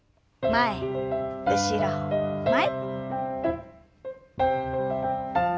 前後ろ前。